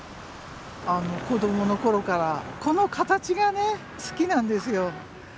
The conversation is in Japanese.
子どもの頃からこの形がね好きなんですよ。